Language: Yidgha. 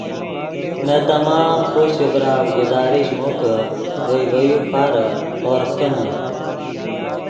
نے تمام خوشچے ڤرآف گزارش مو کہ ڤئے ڤے یو فارے ہورغ کینے